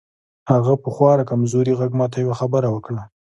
هغه په خورا کمزوري غږ ماته یوه خبره وکړه